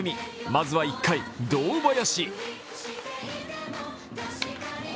まずは１回、堂林。